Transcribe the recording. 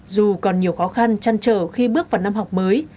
dù còn nhiều khó khăn chăn trở khi bước vào năm học mới